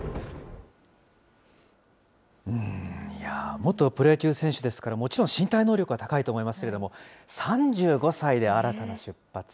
元プロ野球選手ですから、もちろん、身体能力は高いと思いますけれども、３５歳で新たな出発。